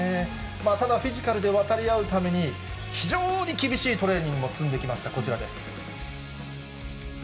ただ、フィジカルで渡り合うために、非常に厳しいトレーニングも積んできました、こちらです。